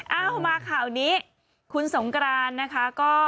เอ่อมาข่านี้คุณสงกรานนะครับก็